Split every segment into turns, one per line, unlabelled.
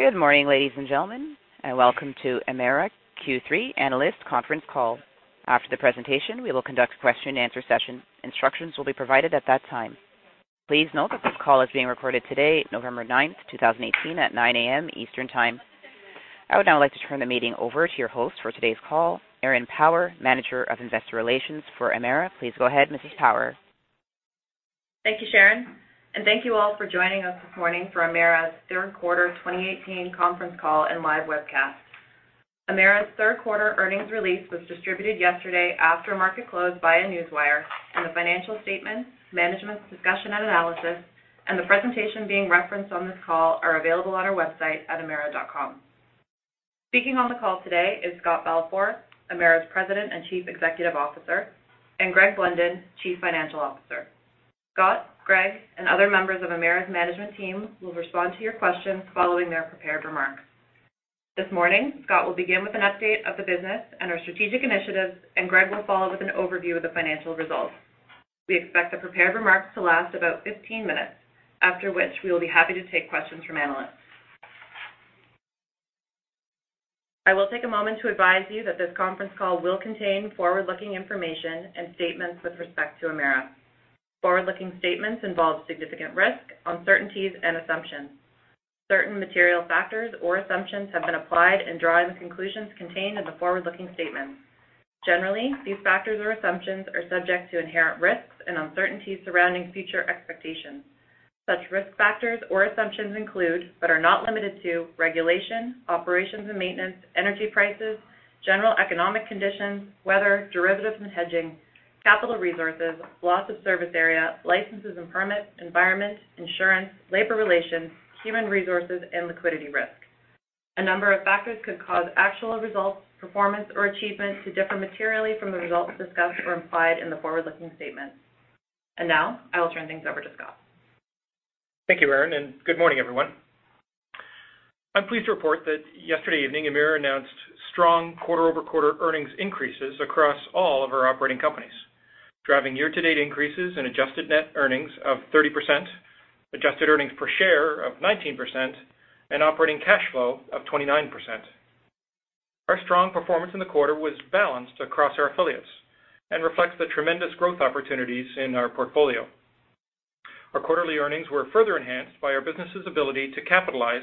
Good morning, ladies and gentlemen, welcome to Emera Q3 Analyst Conference Call. After the presentation, we will conduct a question-and-answer session. Instructions will be provided at that time. Please note that this call is being recorded today, November 9, 2018, at 9:00 A.M. Eastern Time. I would now like to turn the meeting over to your host for today's call, Erin Power, Manager of Investor Relations for Emera. Please go ahead, Mrs. Power.
Thank you, Sharon. Thank you all for joining us this morning for Emera's Third Quarter 2018 Conference Call and Live Webcast. Emera's third quarter earnings release was distributed yesterday after market close via Newswire, and the financial statement, management's discussion and analysis, and the presentation being referenced on this call are available on our website at emera.com. Speaking on the call today is Scott Balfour, Emera's President and Chief Executive Officer, and Greg Blunden, Chief Financial Officer. Scott, Greg, and other members of Emera's management team will respond to your questions following their prepared remarks. This morning, Scott will begin with an update of the business and our strategic initiatives, and Greg will follow with an overview of the financial results. We expect the prepared remarks to last about 15 minutes, after which we will be happy to take questions from analysts. I will take a moment to advise you that this conference call will contain forward-looking information and statements with respect to Emera. Forward-looking statements involve significant risk, uncertainties, and assumptions. Certain material factors or assumptions have been applied in drawing the conclusions contained in the forward-looking statements. Generally, these factors or assumptions are subject to inherent risks and uncertainties surrounding future expectations. Such risk factors or assumptions include, but are not limited to, regulation, operations and maintenance, energy prices, general economic conditions, weather, derivatives and hedging, capital resources, loss of service area, licenses and permits, environment, insurance, labor relations, human resources, and liquidity risk. A number of factors could cause actual results, performance, or achievement to differ materially from the results discussed or implied in the forward-looking statements. Now, I will turn things over to Scott.
Thank you, Erin, and good morning, everyone. I'm pleased to report that yesterday evening, Emera announced strong quarter-over-quarter earnings increases across all of our operating companies, driving year-to-date increases in adjusted net earnings of 30%, adjusted earnings per share of 19%, and operating cash flow of 29%. Our strong performance in the quarter was balanced across our affiliates and reflects the tremendous growth opportunities in our portfolio. Our quarterly earnings were further enhanced by our business's ability to capitalize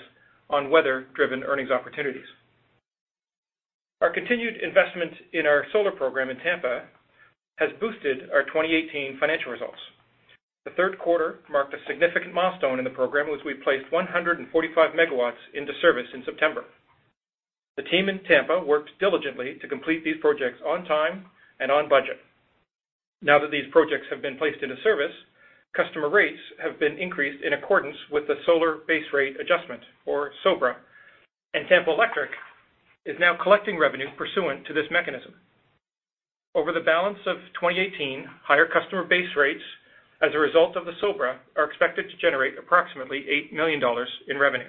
on weather-driven earnings opportunities. Our continued investment in our solar program in Tampa has boosted our 2018 financial results. The third quarter marked a significant milestone in the program as we placed 145 MW into service in September. The team in Tampa worked diligently to complete these projects on time and on budget. Now that these projects have been placed into service, customer rates have been increased in accordance with the Solar Base Rate Adjustment, or SoBRA, and Tampa Electric is now collecting revenue pursuant to this mechanism. Over the balance of 2018, higher customer base rates as a result of the SoBRA are expected to generate approximately $8 million in revenue.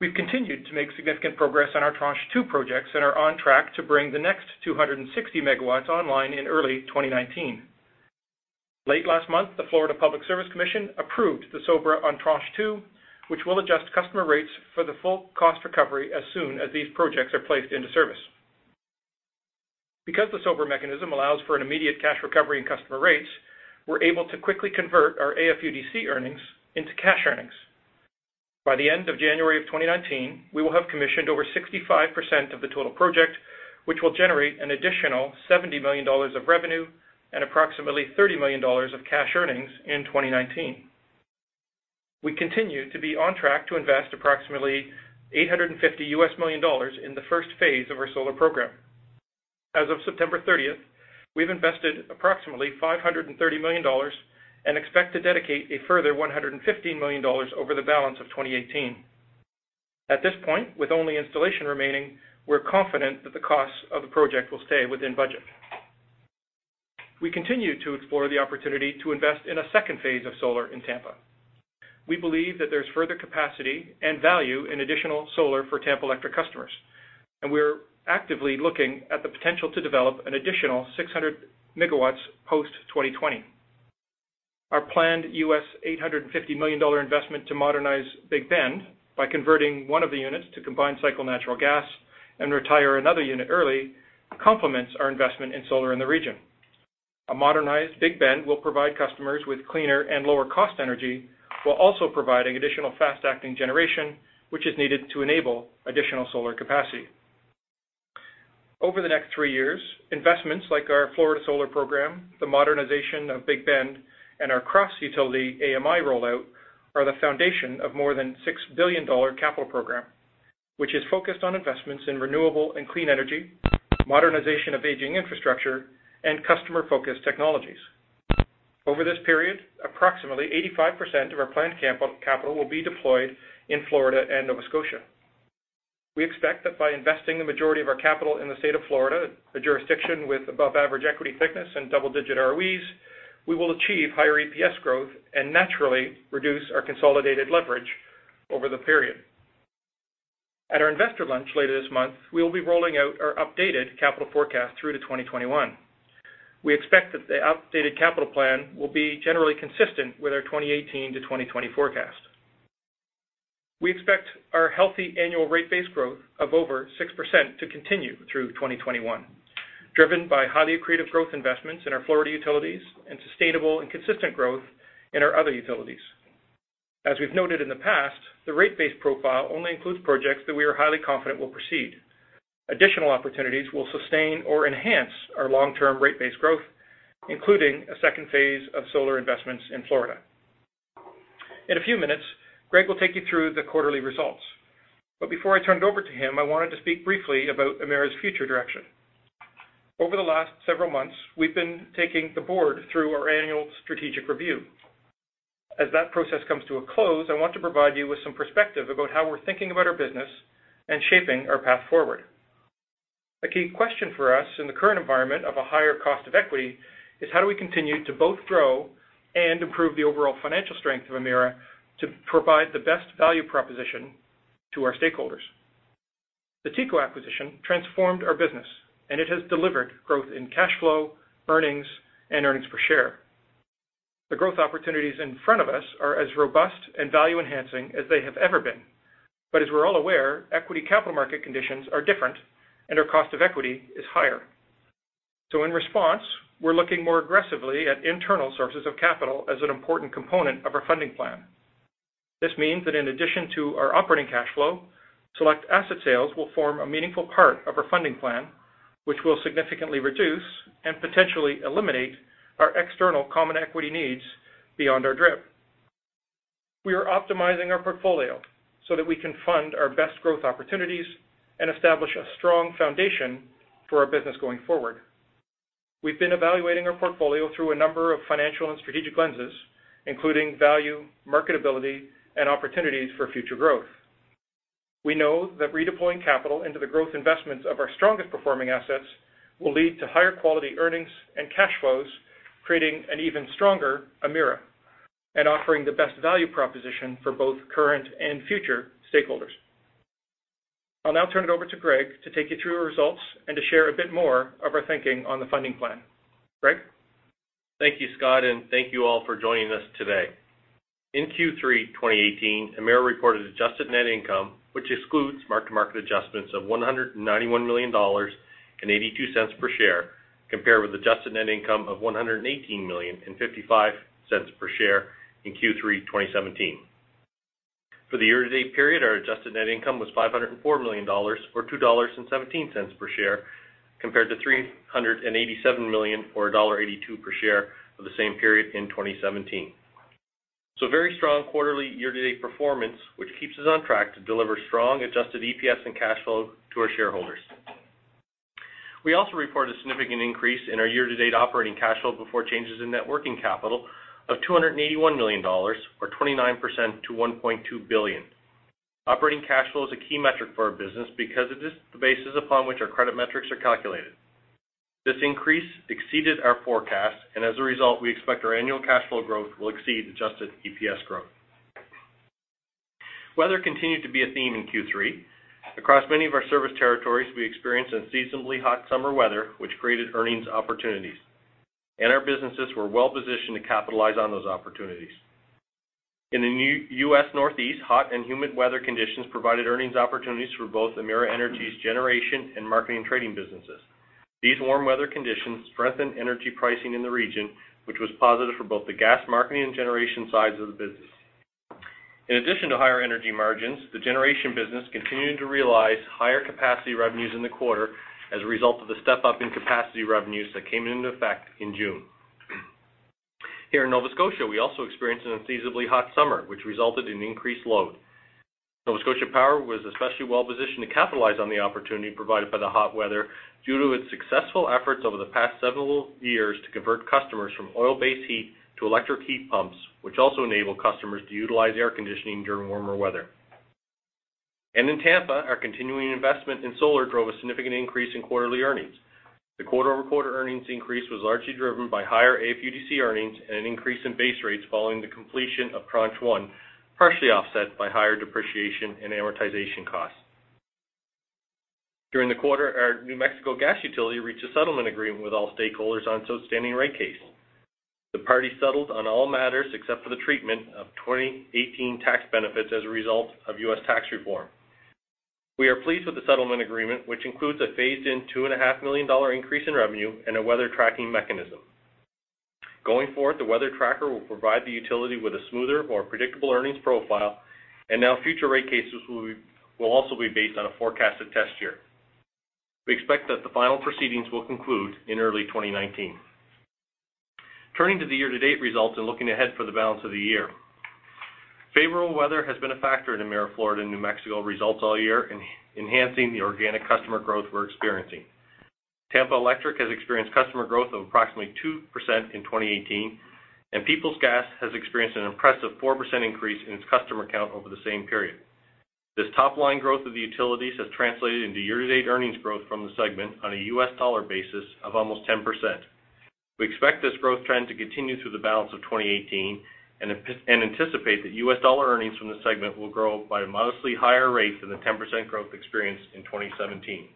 We've continued to make significant progress on our tranche 2 projects and are on track to bring the next 260 MW online in early 2019. Late last month, the Florida Public Service Commission approved the SoBRA on tranche 2, which will adjust customer rates for the full cost recovery as soon as these projects are placed into service. Because the SoBRA mechanism allows for an immediate cash recovery in customer rates, we're able to quickly convert our AFUDC earnings into cash earnings. By the end of January of 2019, we will have commissioned over 65% of the total project, which will generate an additional 70 million dollars of revenue and approximately 30 million dollars of cash earnings in 2019. We continue to be on track to invest approximately $850 million USD in the first phase of our solar program. As of September 30th, we've invested approximately 530 million dollars and expect to dedicate a further 115 million dollars over the balance of 2018. At this point, with only installation remaining, we're confident that the cost of the project will stay within budget. We continue to explore the opportunity to invest in a second phase of solar in Tampa. We believe that there's further capacity and value in additional solar for Tampa Electric customers, and we are actively looking at the potential to develop an additional 600 MW post-2020. Our planned $850 million investment to modernize Big Bend by converting one of the units to combined cycle natural gas and retire another unit early complements our investment in solar in the region. A modernized Big Bend will provide customers with cleaner and lower-cost energy while also providing additional fast-acting generation, which is needed to enable additional solar capacity. Over the next three years, investments like our Florida Solar program, the modernization of Big Bend, and our cross-utility AMI rollout are the foundation of more than a 6 billion dollar capital program, which is focused on investments in renewable and clean energy, modernization of aging infrastructure, and customer-focused technologies. Over this period, approximately 85% of our planned capital will be deployed in Florida and Nova Scotia. We expect that by investing the majority of our capital in the state of Florida, a jurisdiction with above-average equity thickness and double-digit ROEs, we will achieve higher EPS growth and naturally reduce our consolidated leverage over the period. At our investor lunch later this month, we will be rolling out our updated capital forecast through to 2021. We expect that the updated capital plan will be generally consistent with our 2018 to 2020 forecast. We expect our healthy annual rate base growth of over 6% to continue through 2021, driven by highly accretive growth investments in our Florida utilities and sustainable and consistent growth in our other utilities. As we've noted in the past, the rate base profile only includes projects that we are highly confident will proceed. Additional opportunities will sustain or enhance our long-term rate base growth, including a second phase of solar investments in Florida. In a few minutes, Greg will take you through the quarterly results. Before I turn it over to him, I wanted to speak briefly about Emera's future direction. Over the last several months, we've been taking the board through our annual strategic review. As that process comes to a close, I want to provide you with some perspective about how we're thinking about our business and shaping our path forward. A key question for us in the current environment of a higher cost of equity is how do we continue to both grow and improve the overall financial strength of Emera to provide the best value proposition to our stakeholders? The TECO acquisition transformed our business, and it has delivered growth in cash flow, earnings, and earnings per share. The growth opportunities in front of us are as robust and value-enhancing as they have ever been. As we're all aware, equity capital market conditions are different and our cost of equity is higher. In response, we're looking more aggressively at internal sources of capital as an important component of our funding plan. This means that in addition to our operating cash flow, select asset sales will form a meaningful part of our funding plan, which will significantly reduce and potentially eliminate our external common equity needs beyond our DRIP. We are optimizing our portfolio so that we can fund our best growth opportunities and establish a strong foundation for our business going forward. We've been evaluating our portfolio through a number of financial and strategic lenses, including value, marketability, and opportunities for future growth. We know that redeploying capital into the growth investments of our strongest-performing assets will lead to higher quality earnings and cash flows, creating an even stronger Emera and offering the best value proposition for both current and future stakeholders. I'll now turn it over to Greg to take you through our results and to share a bit more of our thinking on the funding plan. Greg?
Thank you, Scott, and thank you all for joining us today. In Q3 2018, Emera reported adjusted net income, which excludes mark-to-market adjustments of 191 million dollars and 0.82 per share compared with adjusted net income of 118 million and 0.55 per share in Q3 2017. For the year-to-date period, our adjusted net income was 504 million dollars or 2.17 dollars per share, compared to 387 million or dollar 1.82 per share for the same period in 2017. Very strong quarterly year-to-date performance, which keeps us on track to deliver strong adjusted EPS and cash flow to our shareholders. We also reported a significant increase in our year-to-date operating cash flow before changes in net working capital of 281 million dollars or 29% to 1.2 billion. Operating cash flow is a key metric for our business because it is the basis upon which our credit metrics are calculated. This increase exceeded our forecast. As a result, we expect our annual cash flow growth will exceed adjusted EPS growth. Weather continued to be a theme in Q3. Across many of our service territories, we experienced unseasonably hot summer weather, which created earnings opportunities, and our businesses were well-positioned to capitalize on those opportunities. In the new U.S. Northeast, hot and humid weather conditions provided earnings opportunities for both Emera Energy's generation and marketing trading businesses. These warm weather conditions strengthened energy pricing in the region, which was positive for both the gas marketing and generation sides of the business. In addition to higher energy margins, the generation business continued to realize higher capacity revenues in the quarter as a result of the step-up in capacity revenues that came into effect in June. Here in Nova Scotia Power, we also experienced an unseasonably hot summer, which resulted in increased load. Nova Scotia Power was especially well-positioned to capitalize on the opportunity provided by the hot weather due to its successful efforts over the past several years to convert customers from oil-based heat to electric heat pumps, which also enable customers to utilize air conditioning during warmer weather. In Tampa, our continuing investment in solar drove a significant increase in quarterly earnings. The quarter-over-quarter earnings increase was largely driven by higher AFUDC earnings and an increase in base rates following the completion of tranche 1, partially offset by higher depreciation and amortization costs. During the quarter, our New Mexico Gas Company utility reached a settlement agreement with all stakeholders on its outstanding rate case. The parties settled on all matters except for the treatment of 2018 tax benefits as a result of U.S. tax reform. We are pleased with the settlement agreement, which includes a phased-in 2.5 million dollar increase in revenue and a weather tracking mechanism. Going forward, the weather tracker will provide the utility with a smoother, more predictable earnings profile. Now future rate cases will also be based on a forecasted test year. We expect that the final proceedings will conclude in early 2019. Turning to the year-to-date results and looking ahead for the balance of the year. Favorable weather has been a factor in Emera Florida and New Mexico results all year, enhancing the organic customer growth we're experiencing. Tampa Electric has experienced customer growth of approximately 2% in 2018, and Peoples Gas has experienced an impressive 4% increase in its customer count over the same period. This top-line growth of the utilities has translated into year-to-date earnings growth from the segment on a U.S. dollar basis of almost 10%. We expect this growth trend to continue through the balance of 2018 and anticipate that U.S. dollar earnings from the segment will grow by a modestly higher rate than the 10% growth experienced in 2017.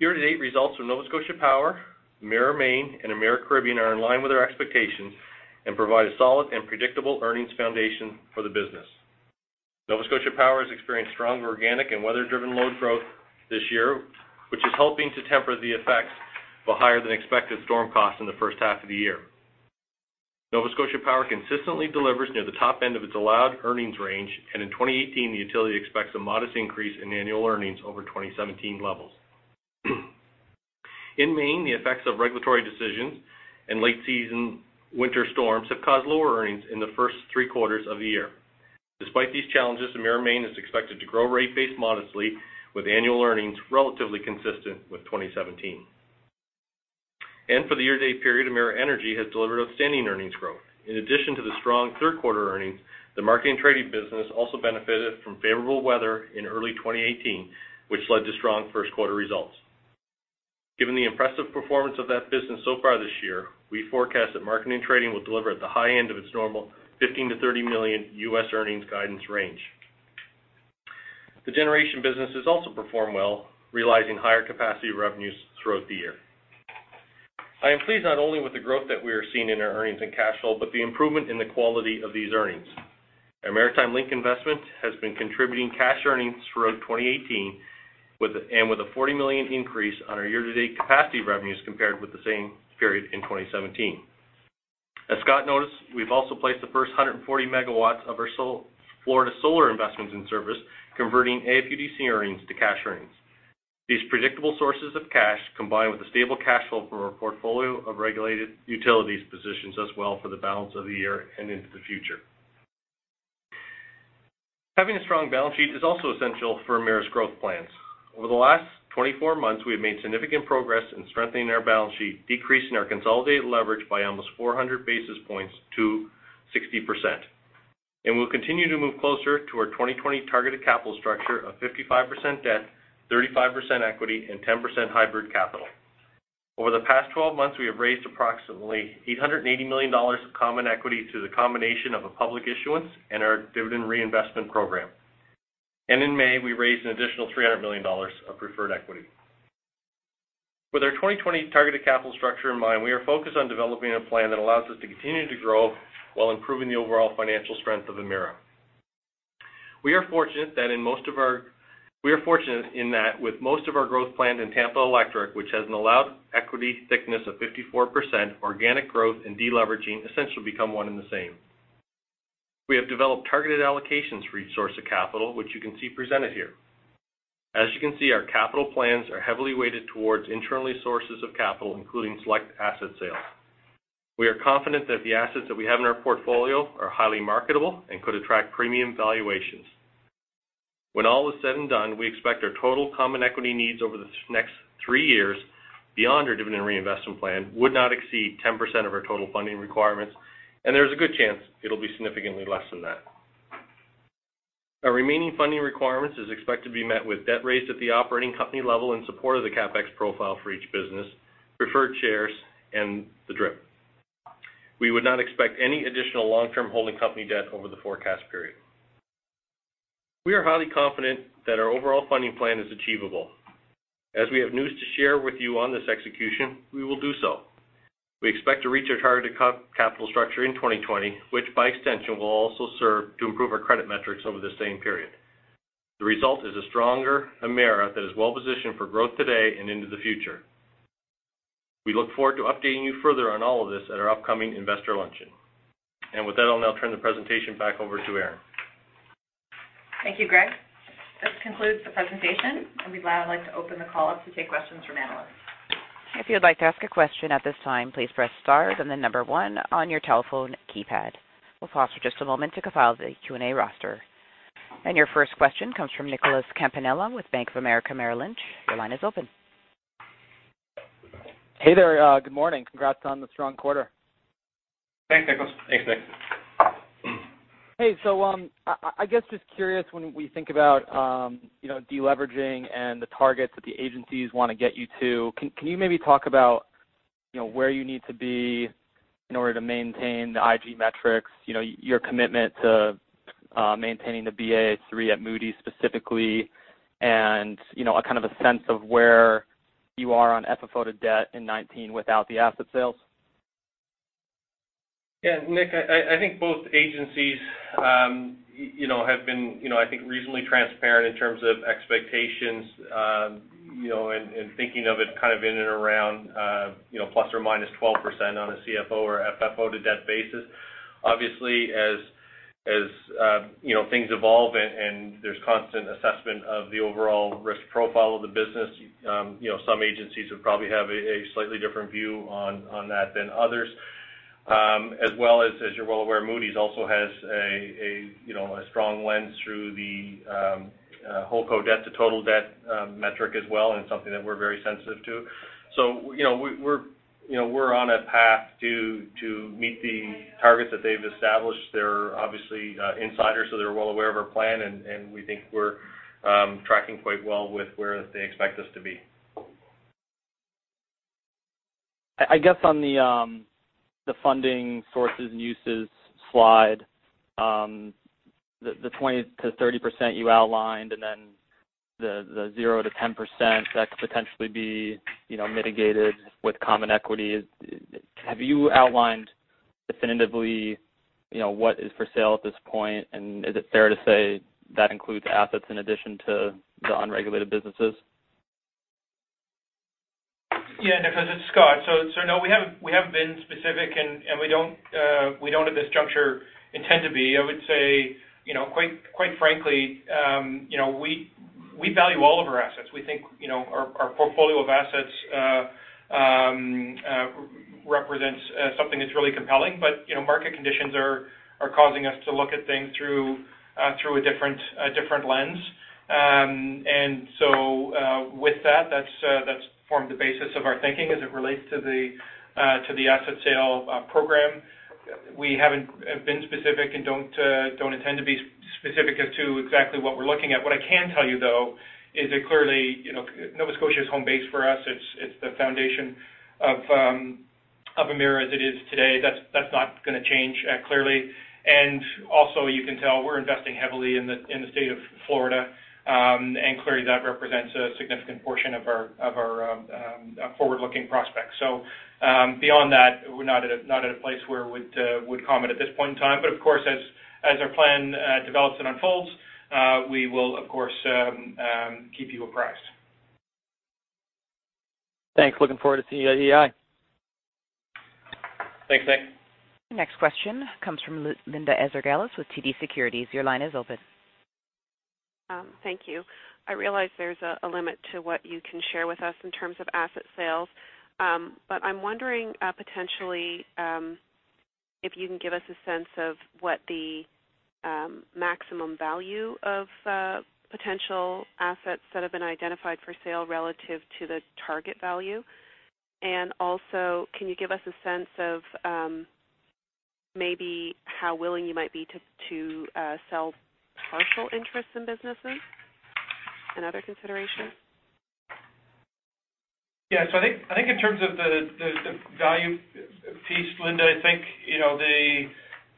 Year-to-date results from Nova Scotia Power, Emera Maine, and Emera Caribbean are in line with our expectations and provide a solid and predictable earnings foundation for the business. Nova Scotia Power has experienced strong organic and weather-driven load growth this year, which is helping to temper the effects of higher-than-expected storm costs in the first half of the year. Nova Scotia Power consistently delivers near the top end of its allowed earnings range. In 2018, the utility expects a modest increase in annual earnings over 2017 levels. In Maine, the effects of regulatory decisions and late-season winter storms have caused lower earnings in the first three quarters of the year. Despite these challenges, Emera Maine is expected to grow rate base modestly, with annual earnings relatively consistent with 2017. For the year-to-date period, Emera Energy has delivered outstanding earnings growth. In addition to the strong third quarter earnings, the marketing trading business also benefited from favorable weather in early 2018, which led to strong first-quarter results. Given the impressive performance of that business so far this year, we forecast that marketing trading will deliver at the high end of its normal $15 million-$30 million U.S. earnings guidance range. The generation businesses also perform well, realizing higher capacity revenues throughout the year. I am pleased not only with the growth that we are seeing in our earnings and cash flow, but the improvement in the quality of these earnings. Our Maritime Link investment has been contributing cash earnings throughout 2018. With a 40 million increase on our year-to-date capacity revenues compared with the same period in 2017, as Scott noted, we've also placed the first 140 MW of our Florida solar investments in service, converting AFUDC earnings to cash earnings. These predictable sources of cash, combined with the stable cash flow from our portfolio of regulated utilities, positions us well for the balance of the year and into the future. Having a strong balance sheet is also essential for Emera's growth plans. Over the last 24 months, we have made significant progress in strengthening our balance sheet, decreasing our consolidated leverage by almost 400 basis points to 60%. We'll continue to move closer to our 2020 targeted capital structure of 55% debt, 35% equity and 10% hybrid capital. Over the past 12 months, we have raised approximately 880 million dollars of common equity through the combination of a public issuance and our dividend reinvestment program. In May, we raised an additional 300 million dollars of preferred equity. With our 2020 targeted capital structure in mind, we are focused on developing a plan that allows us to continue to grow while improving the overall financial strength of Emera. We are fortunate in that with most of our growth planned in Tampa Electric, which has an allowed equity thickness of 54%, organic growth and de-leveraging essentially become one and the same. We have developed targeted allocations for each source of capital, which you can see presented here. As you can see, our capital plans are heavily weighted towards internal sources of capital, including select asset sales. We are confident that the assets that we have in our portfolio are highly marketable and could attract premium valuations. When all is said and done, we expect our total common equity needs over the next three years beyond our dividend reinvestment plan would not exceed 10% of our total funding requirements. There's a good chance it'll be significantly less than that. Our remaining funding requirements is expected to be met with debt raised at the operating company level in support of the CapEx profile for each business, preferred shares, and the DRIP. We would not expect any additional long-term holding company debt over the forecast period. We are highly confident that our overall funding plan is achievable. As we have news to share with you on this execution, we will do so. We expect to reach our targeted capital structure in 2020, which by extension, will also serve to improve our credit metrics over the same period. The result is a stronger Emera that is well-positioned for growth today and into the future. We look forward to updating you further on all of this at our upcoming investor luncheon. With that, I'll now turn the presentation back over to Erin.
Thank you, Greg. This concludes the presentation, and we'd now like to open the call up to take questions from analysts.
If you would like to ask a question at this time, please press star, then the number one on your telephone keypad. We'll pause for just a moment to compile the Q&A roster. Your first question comes from Nicholas Campanella with Bank of America Merrill Lynch. Your line is open.
Hey there. Good morning. Congrats on the strong quarter.
Thanks, Nicholas.
Thanks, Nick.
I guess just curious when we think about deleveraging and the targets that the agencies want to get you to, can you maybe talk about where you need to be in order to maintain the IG metrics? Your commitment to maintaining the Baa3 at Moody's specifically, and a kind of a sense of where you are on FFO to debt in 2019 without the asset sales?
Nick, I think both agencies have been reasonably transparent in terms of expectations and thinking of it kind of in and around ±12% on a CFO or FFO to debt basis. Obviously, as things evolve and there's constant assessment of the overall risk profile of the business, some agencies would probably have a slightly different view on that than others. As well as you're well aware, Moody's also has a strong lens through the holdco debt to total debt metric as well, and it's something that we're very sensitive to. We're on a path to meet the targets that they've established. They're obviously insiders, so they're well aware of our plan, and we think we're tracking quite well with where they expect us to be.
I guess on the funding sources and uses slide, the 20%-30% you outlined and then the 0%-10% that could potentially be mitigated with common equity. Have you outlined definitively what is for sale at this point, and is it fair to say that includes assets in addition to the unregulated businesses?
Yeah, Nicholas, it's Scott. No, we haven't been specific, and we don't at this juncture intend to be. I would say, quite frankly, we value all of our assets. We think our portfolio of assets represents something that's really compelling. Market conditions are causing us to look at things through a different lens. With that's formed the basis of our thinking as it relates to the asset sale program. We haven't been specific and don't intend to be specific as to exactly what we're looking at. What I can tell you, though, is that clearly, Nova Scotia Power is home base for us. It's the foundation of Emera as it is today. That's not going to change clearly. Also, you can tell we're investing heavily in the state of Florida. Clearly, that represents a significant portion of our forward-looking prospects. Beyond that, we're not at a place where we would comment at this point in time. Of course, as our plan develops and unfolds, we will of course keep you apprised.
Thanks. Looking forward to seeing you at EEI.
Thanks.
Next question comes from Linda Ezergailis with TD Securities. Your line is open.
Thank you. I realize there's a limit to what you can share with us in terms of asset sales. I'm wondering potentially if you can give us a sense of what the maximum value of potential assets that have been identified for sale relative to the target value. Also, can you give us a sense of maybe how willing you might be to sell partial interests in businesses and other considerations?
Yeah. I think in terms of the value piece, Linda, I think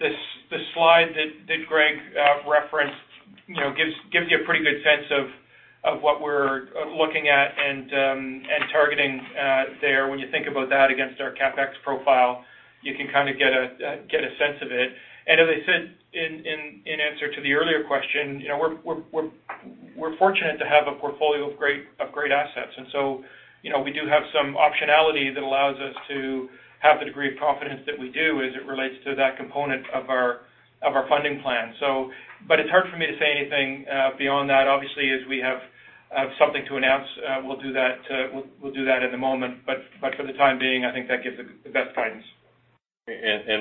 the slide that Greg referenced gives you a pretty good sense of what we're looking at and targeting there. When you think about that against our CapEx profile, you can kind of get a sense of it. As I said in answer to the earlier question, we're fortunate to have a portfolio of great assets. We do have some optionality that allows us to have the degree of confidence that we do as it relates to that component of our funding plan. It's hard for me to say anything beyond that. Obviously, as we have something to announce, we'll do that in the moment. For the time being, I think that gives the best guidance.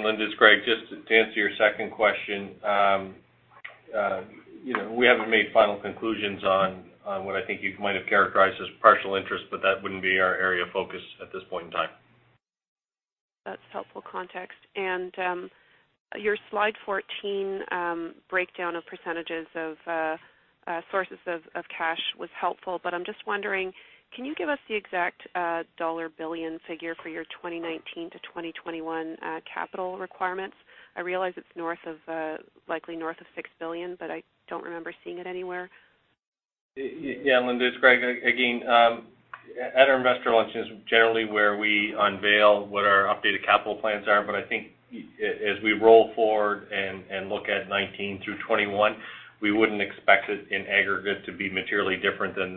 Linda, it's Greg. Just to answer your second question. We haven't made final conclusions on what I think you might have characterized as partial interest, that wouldn't be our area of focus at this point in time.
That's helpful context. Your slide 14 breakdown of percentages of sources of cash was helpful, but I'm just wondering, can you give us the exact dollar billion figure for your 2019 to 2021 capital requirements? I realize it's likely north of 6 billion, but I don't remember seeing it anywhere.
Yeah. Linda, it's Greg. Again, at our investor lunch is generally where we unveil what our updated capital plans are. I think as we roll forward and look at 2019 through 2021, we wouldn't expect it in aggregate to be materially different than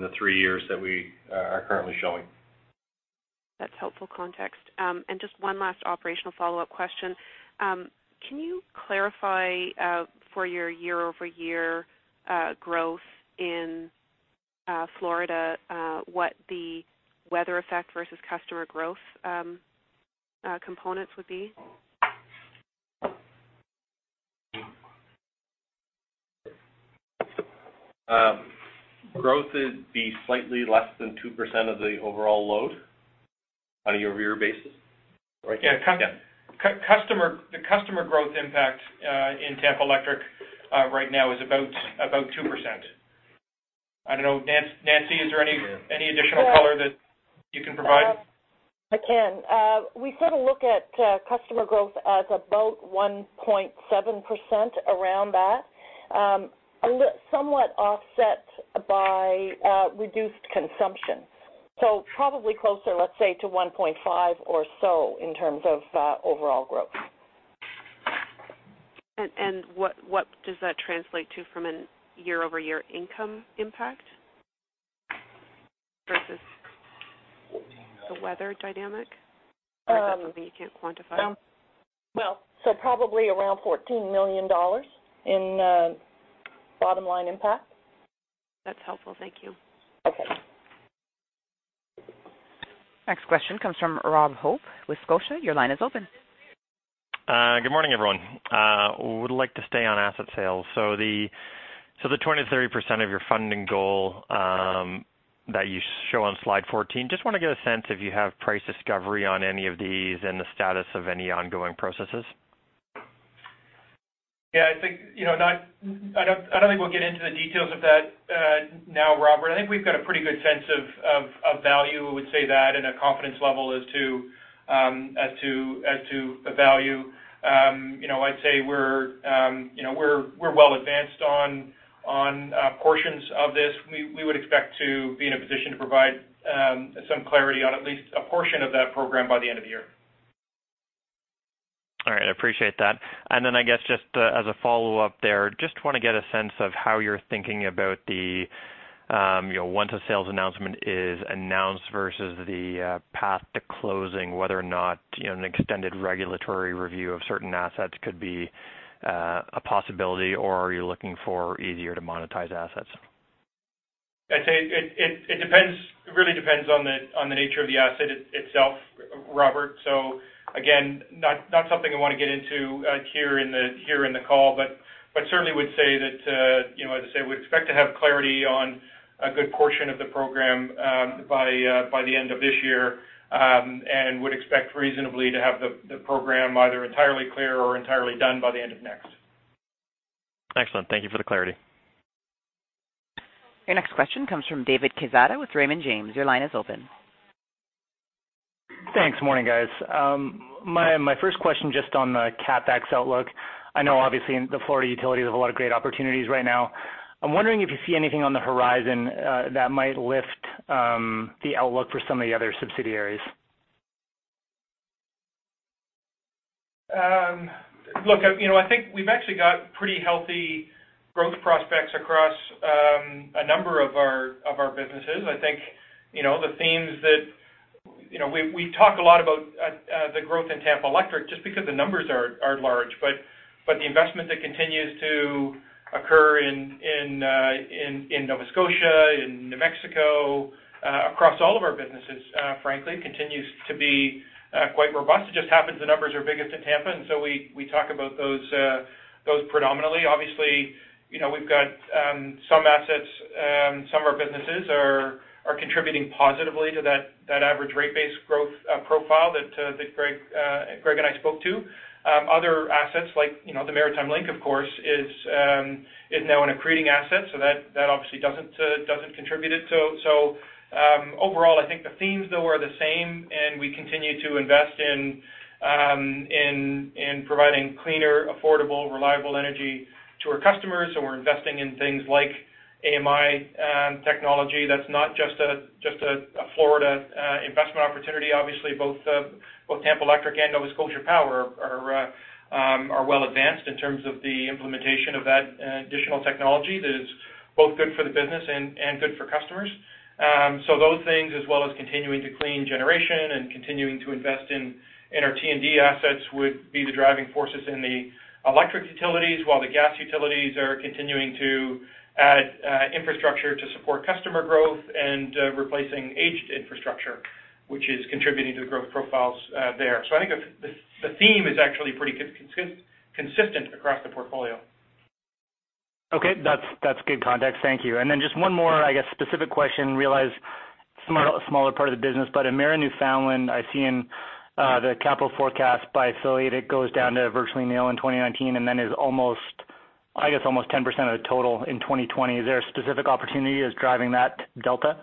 the three years that we are currently showing.
That's helpful context. Just one last operational follow-up question. Can you clarify for your year-over-year growth in Florida what the weather effect versus customer growth components would be?
Growth would be slightly less than 2% of the overall load on a year-over-year basis.
Yeah. The customer growth impact in Tampa Electric right now is about 2%. I don't know, Nancy, is there any additional color that you can provide?
I can. We sort of look at customer growth as about 1.7%, around that. Somewhat offset by reduced consumption. Probably closer, let's say to 1.5% or so in terms of overall growth.
What does that translate to from a year-over-year income impact versus the weather dynamic? That would be you can't quantify.
Well, probably around $14 million in bottom line impact.
That's helpful. Thank you.
Okay.
Next question comes from Rob Hope with Scotiabank. Your line is open.
Good morning, everyone. Would like to stay on asset sales. The 20%-30% of your funding goal that you show on slide 14, just want to get a sense if you have price discovery on any of these and the status of any ongoing processes.
Yeah, I think, I don't think we'll get into the details of that now, Rob. I think we've got a pretty good sense of value, I would say that, and a confidence level as to the value. I'd say we're well advanced on portions of this. We would expect to be in a position to provide some clarity on at least a portion of that program by the end of the year.
I appreciate that. I guess just as a follow-up there, just want to get a sense of how you're thinking about the once a sales announcement is announced versus the path to closing, whether or not an extended regulatory review of certain assets could be a possibility, or are you looking for easier to monetize assets?
I'd say it really depends on the nature of the asset itself, Robert. Again, not something I want to get into here in the call, but certainly would say that, I'd say we expect to have clarity on a good portion of the program by the end of this year. Would expect reasonably to have the program either entirely clear or entirely done by the end of next.
Excellent. Thank you for the clarity.
Your next question comes from David Quezada with Raymond James. Your line is open.
Thanks. Morning, guys. My first question just on the CapEx outlook. I know obviously the Florida utilities have a lot of great opportunities right now. I'm wondering if you see anything on the horizon that might lift the outlook for some of the other subsidiaries.
We've actually got pretty healthy growth prospects across a number of our businesses. The themes that we talk a lot about the growth in Tampa Electric just because the numbers are large. The investment that continues to occur in Nova Scotia Power, in New Mexico, across all of our businesses, frankly, continues to be quite robust. It just happens the numbers are biggest in Tampa, we talk about those predominantly. Obviously, we've got some assets, some of our businesses are contributing positively to that average rate base growth profile that Greg and I spoke to. Other assets like, the Maritime Link, of course, is now an accreting asset. That obviously doesn't contribute it. Overall, the themes though are the same, we continue to invest in providing cleaner, affordable, reliable energy to our customers. We're investing in things like AMI technology that's not just a Florida investment opportunity. Obviously, both Tampa Electric and Nova Scotia Power are well advanced in terms of the implementation of that additional technology that is both good for the business and good for customers. Those things, as well as continuing to clean generation and continuing to invest in our T&D assets would be the driving forces in the electric utilities while the gas utilities are continuing to add infrastructure to support customer growth and replacing aged infrastructure, which is contributing to the growth profiles there. The theme is actually pretty consistent across the portfolio.
That's good context. Thank you. Just one more, specific question. Realize smaller part of the business, Emera Newfoundland, I see in the capital forecast by affiliate, it goes down to virtually nil in 2019 and then is almost, 10% of the total in 2020. Is there a specific opportunity is driving that delta?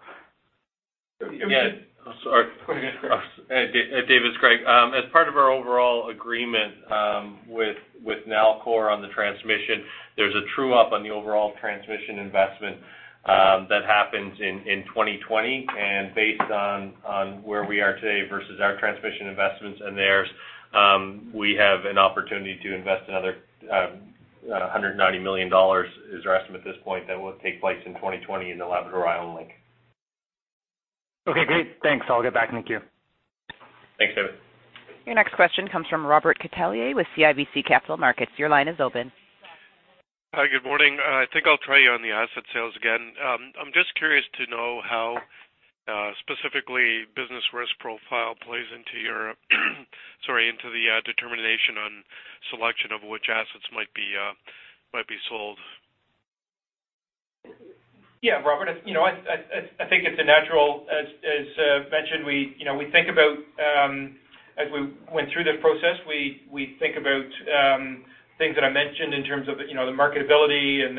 Yeah. Sorry. Hey, David, it's Greg. As part of our overall agreement with Nalcor on the transmission, there's a true-up on the overall transmission investment that happens in 2020. Based on where we are today versus our transmission investments and theirs, we have an opportunity to invest another 190 million dollars is our estimate at this point. That will take place in 2020 in the Labrador-Island Link.
Okay, great. Thanks. I'll get back. Thank you.
Thanks, David.
Your next question comes from Robert Catellier with CIBC Capital Markets. Your line is open.
Hi. Good morning. I think I'll try you on the asset sales again. I'm just curious to know how specifically business risk profile plays into the determination on selection of which assets might be sold.
Yeah, Robert. I think it's a natural as mentioned, as we went through the process, we think about things that I mentioned in terms of the marketability and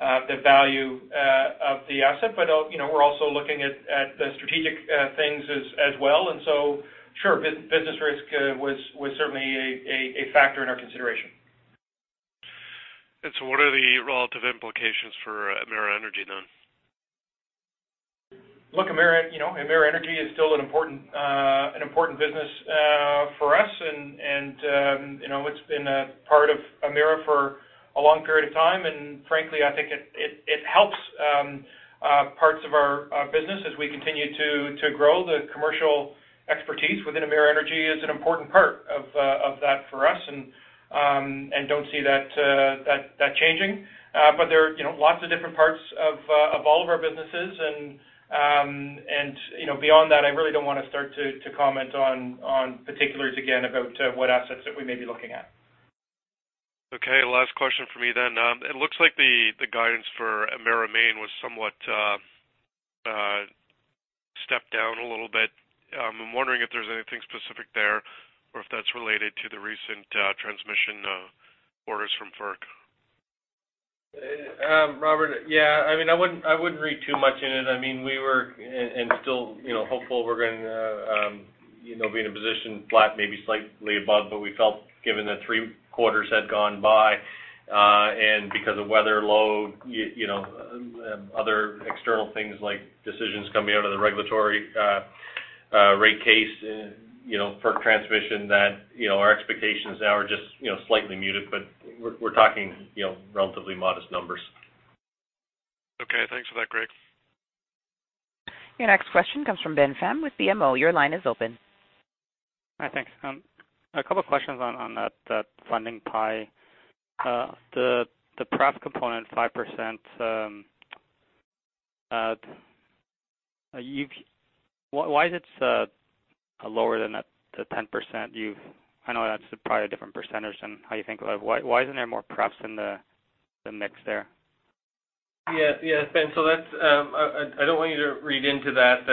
the value of the asset. We're also looking at the strategic things as well. Sure, business risk was certainly a factor in our consideration.
What are the relative implications for Emera Energy then?
Look, Emera Energy is still an important business for us and it's been a part of Emera for a long period of time, and frankly, I think it helps parts of our business as we continue to grow. The commercial expertise within Emera Energy is an important part of that for us and don't see that changing. There are lots of different parts of all of our businesses and beyond that, I really don't want to start to comment on particulars again about what assets that we may be looking at.
Okay, last question for me. It looks like the guidance for Emera Maine was step down a little bit. I'm wondering if there's anything specific there or if that's related to the recent transmission orders from FERC.
Robert, yeah. I wouldn't read too much in it. We were and still hopeful we're going to be in a position flat, maybe slightly above. We felt given that three quarters had gone by, and because of weather low, other external things like decisions coming out of the regulatory rate case, FERC transmission, that our expectations now are just slightly muted. We're talking relatively modest numbers.
Okay. Thanks for that, Greg.
Your next question comes from Ben Pham with BMO. Your line is open.
Hi. Thanks. A couple questions on that funding pie. The pref component 5%, why is it lower than the 10% you've, I know that's probably a different percentage than how you think. Why isn't there more pref in the mix there?
Yes, Ben, I don't want you to read into that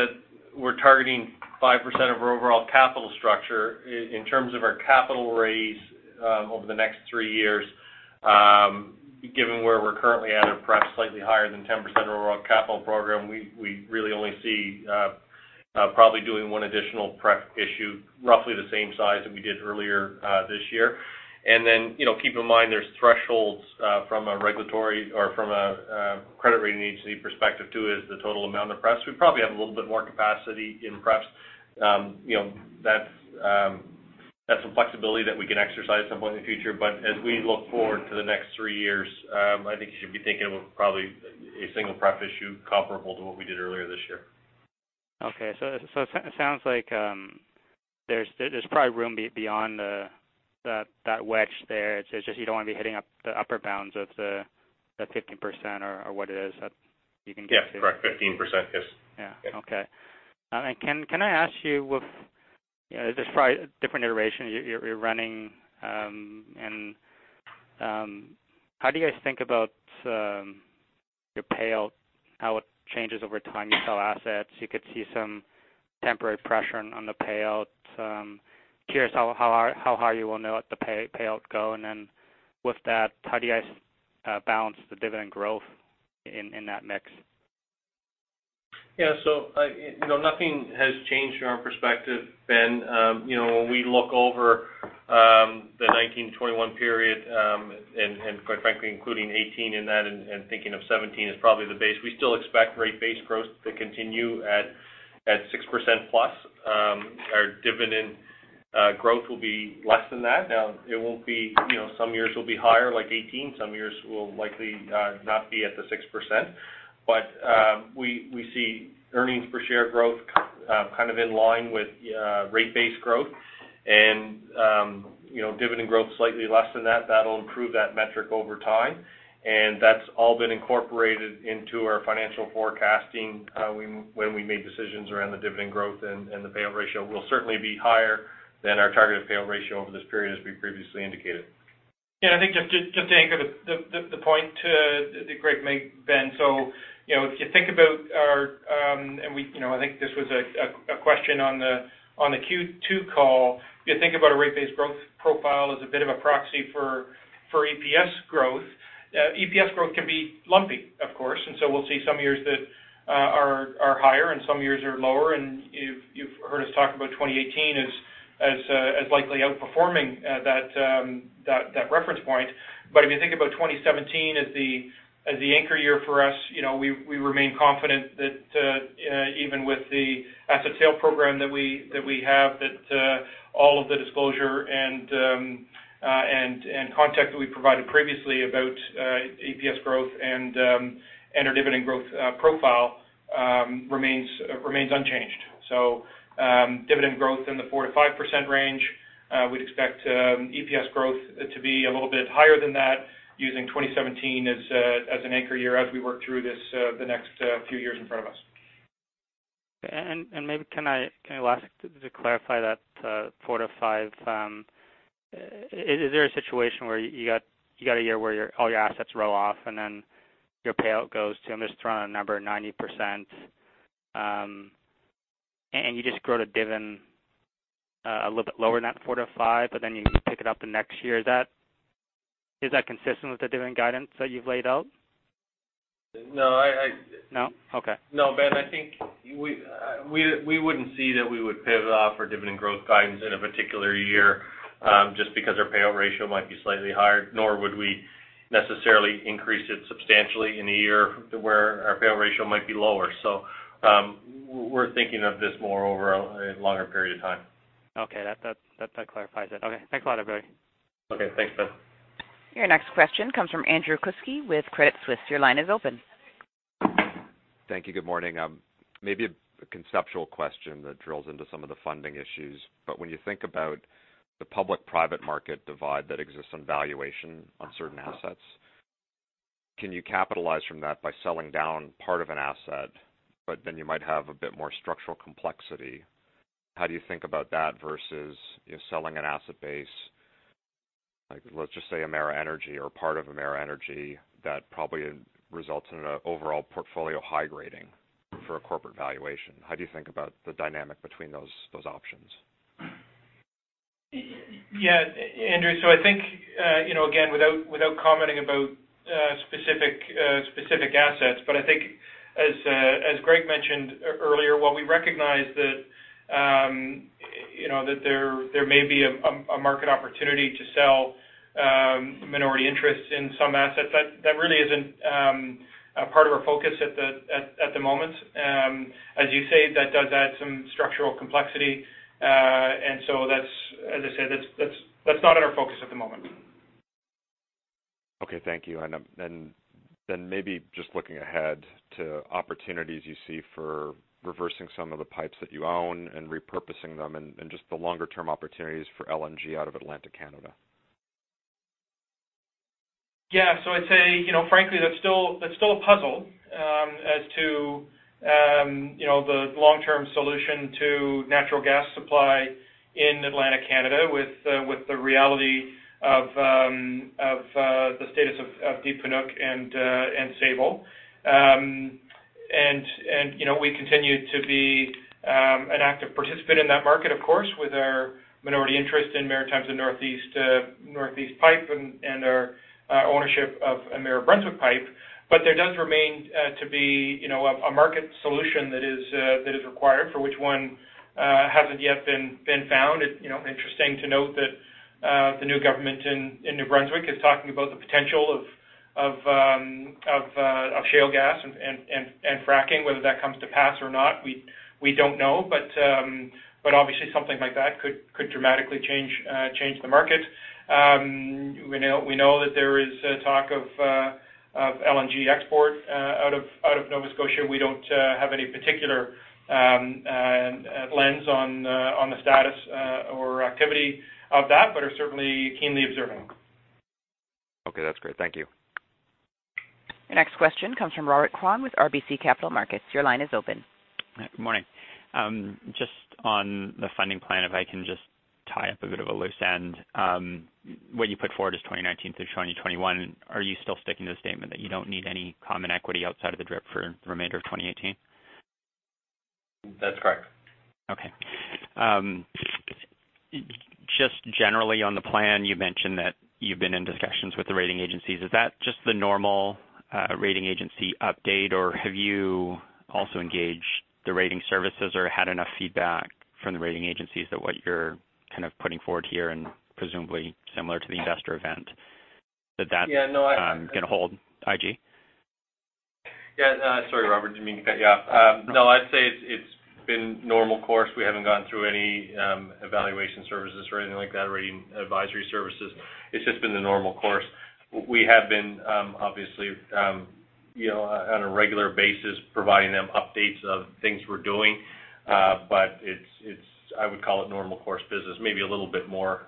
we're targeting 5% of our overall capital structure in terms of our capital raise over the next three years. Given where we're currently at of pref, slightly higher than 10% of our overall capital program, we really only see probably doing one additional pref issue, roughly the same size that we did earlier this year. Keep in mind, there's thresholds from a regulatory or from a credit rating agency perspective too, as the total amount of pref. We probably have a little bit more capacity in pref. That's some flexibility that we can exercise some point in the future. As we look forward to the next three years, I think you should be thinking of probably a single pref issue comparable to what we did earlier this year.
Okay. It sounds like there's probably room beyond that wedge there. It's just you don't want to be hitting up the upper bounds of the 15% or what it is that you can get to.
Yes, correct. 15%. Yes.
Yeah. Okay. Can I ask you, there's probably a different iteration you're running. How do you guys think about your payout, how it changes over time? You sell assets, you could see some temporary pressure on the payout. Curious how high you will let the payout go. With that, how do you guys balance the dividend growth in that mix?
Yeah. Nothing has changed from our perspective, Ben. When we look over the 2019-2021 period, quite frankly including 2018 in that and thinking of 2017 as probably the base, we still expect rate base growth to continue at 6%+. Our dividend growth will be less than that. Some years will be higher, like 2018, some years will likely not be at the 6%. We see earnings per share growth kind of in line with rate base growth. Dividend growth slightly less than that. That'll improve that metric over time, and that's all been incorporated into our financial forecasting when we made decisions around the dividend growth and the payout ratio. We'll certainly be higher than our targeted payout ratio over this period as we previously indicated.
I think just to anchor the point that Greg made, Ben. I think this was a question on the Q2 call. If you think about our rate base growth profile as a bit of a proxy for EPS growth, EPS growth can be lumpy, of course. We'll see some years that are higher and some years are lower. You've heard us talk about 2018 as likely outperforming that reference point. If you think about 2017 as the anchor year for us, we remain confident that even with the asset sale program that we have, that all of the disclosure and context that we provided previously about EPS growth and our dividend growth profile remains unchanged. Dividend growth in the 4%-5% range. We'd expect EPS growth to be a little bit higher than that using 2017 as an anchor year as we work through the next few years in front of us.
Maybe can I last, to clarify that 4%-5%, is there a situation where you got a year where all your assets roll off, and then your payout goes to, I'm just throwing out a number, 90%, and you just grow the dividend a little bit lower than that 4%-5%, but then you pick it up the next year? Is that consistent with the dividend guidance that you've laid out?
No.
No? Okay.
No, Ben, I think we wouldn't see that we would pivot off our dividend growth guidance in a particular year, just because our payout ratio might be slightly higher, nor would we necessarily increase it substantially in a year where our payout ratio might be lower. We're thinking of this more over a longer period of time.
Okay. That clarifies it. Okay. Thanks a lot, everybody.
Okay. Thanks, Ben.
Your next question comes from Andrew Kuske with Credit Suisse. Your line is open.
Thank you. Good morning. Maybe a conceptual question that drills into some of the funding issues. When you think about the public-private market divide that exists on valuation on certain assets, can you capitalize from that by selling down part of an asset, but then you might have a bit more structural complexity? How do you think about that versus selling an asset base. Let's just say Emera Energy or part of Emera Energy, that probably results in an overall portfolio high rating for a corporate valuation. How do you think about the dynamic between those options?
Andrew, I think, again, without commenting about specific assets, but I think as Greg mentioned earlier, while we recognize that there may be a market opportunity to sell minority interests in some assets, that really isn't part of our focus at the moment. As you say, that does add some structural complexity. That's, as I said, that's not in our focus at the moment.
Okay. Thank you. Maybe just looking ahead to opportunities you see for reversing some of the pipes that you own and repurposing them and just the longer-term opportunities for LNG out of Atlantic Canada.
Yeah. I'd say, frankly, that's still a puzzle as to the long-term solution to natural gas supply in Atlantic Canada with the reality of the status of Deep Panuke and Sable. We continue to be an active participant in that market, of course, with our minority interest in Maritimes & Northeast Pipeline and our ownership of Emera Brunswick Pipeline. There does remain to be a market solution that is required for which one hasn't yet been found. It's interesting to note that the new government in New Brunswick is talking about the potential of shale gas and fracking. Whether that comes to pass or not, we don't know. Obviously, something like that could dramatically change the market. We know that there is talk of LNG export out of Nova Scotia. We don't have any particular lens on the status or activity of that, but are certainly keenly observing.
Okay. That's great. Thank you.
Your next question comes from Robert Kwan with RBC Capital Markets. Your line is open.
Good morning. Just on the funding plan, if I can just tie up a bit of a loose end. What you put forward is 2019 through 2021. Are you still sticking to the statement that you don't need any common equity outside of the DRIP for the remainder of 2018?
That's correct.
Okay. Just generally on the plan, you mentioned that you've been in discussions with the rating agencies. Is that just the normal rating agency update, or have you also engaged the rating services or had enough feedback from the rating agencies that what you're putting forward here and presumably similar to the investor event that that's going to hold IG?
Yeah. Sorry, Robert, didn't mean to cut you off. I'd say it's been normal course. We haven't gone through any evaluation services or anything like that, rating advisory services. It's just been the normal course. We have been, obviously, on a regular basis providing them updates of things we're doing. I would call it normal course business, maybe a little bit more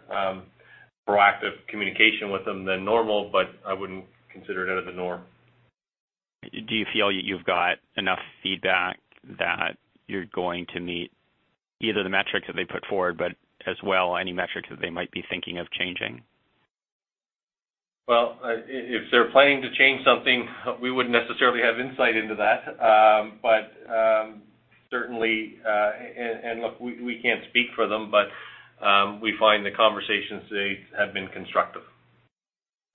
proactive communication with them than normal, but I wouldn't consider it out of the norm.
Do you feel you've got enough feedback that you're going to meet either the metrics that they put forward, but as well, any metrics that they might be thinking of changing?
Well, if they're planning to change something, we wouldn't necessarily have insight into that. Certainly and look, we can't speak for them, but we find the conversations to date have been constructive.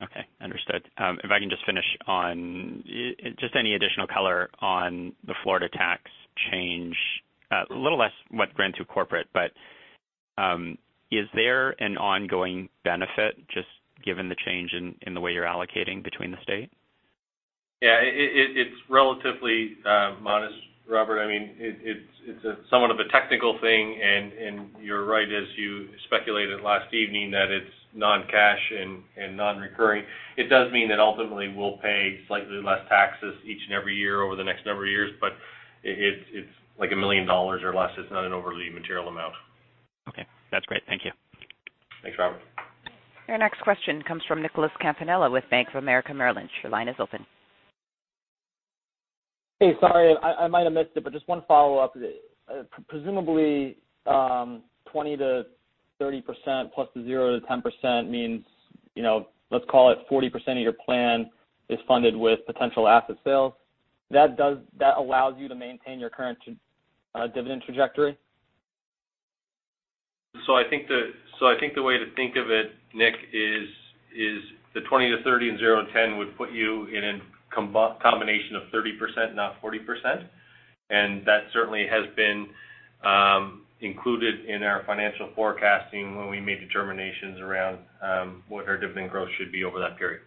Okay, understood. If I can just finish on just any additional color on the Florida tax change, a little less what ran through corporate, is there an ongoing benefit just given the change in the way you're allocating between the state?
Yeah, it's relatively modest, Robert. It's somewhat of a technical thing, you're right, as you speculated last evening, that it's non-cash and non-recurring. It does mean that ultimately we'll pay slightly less taxes each and every year over the next number of years, it's like 1 million dollars or less. It's not an overly material amount.
Okay. That's great. Thank you.
Thanks, Robert.
Your next question comes from Nicholas Campanella with Bank of America Merrill Lynch. Your line is open.
Hey, sorry, I might have missed it, but just one follow-up. Presumably, 20%-30% plus the 0%-10% means, let's call it 40% of your plan is funded with potential asset sales. That allows you to maintain your current dividend trajectory?
I think the way to think of it, Nick, is the 20%-30% and 0%-10% would put you in a combination of 30%, not 40%. That certainly has been included in our financial forecasting when we made determinations around what our dividend growth should be over that period.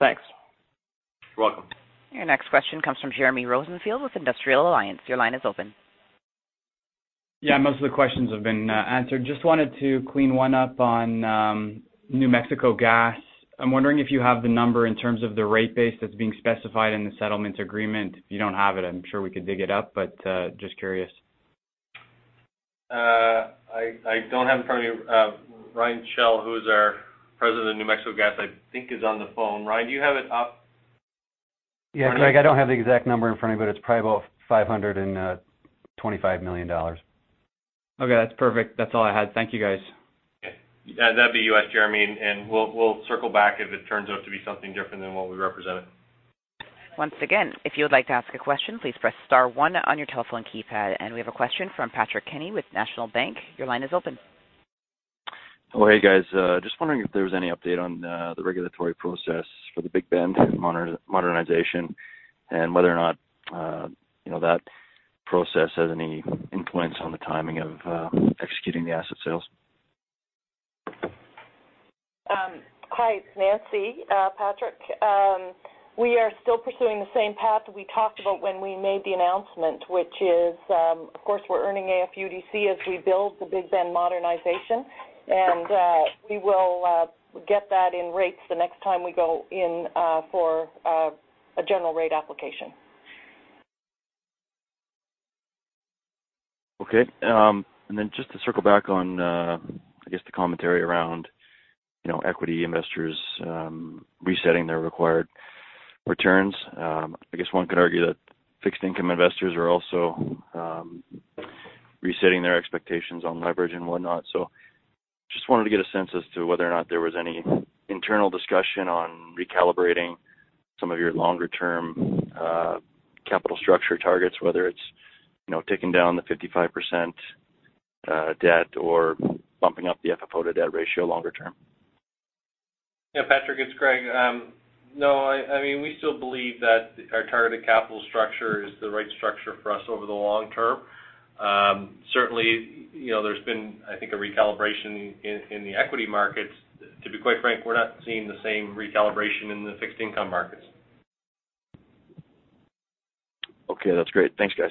Thanks.
You're welcome.
Your next question comes from Jeremy Rosenfield with Industrial Alliance. Your line is open.
Yeah, most of the questions have been answered. Just wanted to clean one up on New Mexico Gas. I'm wondering if you have the number in terms of the rate base that's being specified in the settlement agreement. If you don't have it, I'm sure we could dig it up, but just curious.
I don't have it in front of me. Ryan Schell, who is our President of New Mexico Gas, I think, is on the phone. Ryan, do you have it up?
Yeah, Greg, I don't have the exact number in front of me, but it's probably about 525 million dollars.
Okay, that's perfect. That's all I had. Thank you, guys.
Okay. That'd be us, Jeremy. We'll circle back if it turns out to be something different than what we represented.
Once again, if you would like to ask a question, please press star one on your telephone keypad. We have a question from Patrick Kenny with National Bank. Your line is open.
Hey, guys. Just wondering if there was any update on the regulatory process for the Big Bend modernization and whether or not that process has any influence on the timing of executing the asset sales.
Hi, it's Nancy. Patrick, we are still pursuing the same path we talked about when we made the announcement, which is, of course, we're earning AFUDC as we build the Big Bend modernization. We will get that in rates the next time we go in for a general rate application.
Okay. Just to circle back on, I guess, the commentary around equity investors resetting their required returns. I guess one could argue that fixed income investors are also resetting their expectations on leverage and whatnot. Just wanted to get a sense as to whether or not there was any internal discussion on recalibrating some of your longer-term capital structure targets, whether it's taking down the 55% debt or bumping up the FFO to debt ratio longer term.
Yeah, Patrick, it's Greg. We still believe that our targeted capital structure is the right structure for us over the long term. Certainly, there's been, I think, a recalibration in the equity markets. To be quite frank, we're not seeing the same recalibration in the fixed income markets.
Okay, that's great. Thanks, guys.